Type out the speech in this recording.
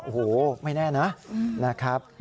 โอ้โหไม่แน่นะนะครับ